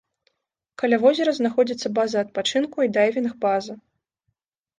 Каля возера знаходзіцца база адпачынку і дайвінг-база.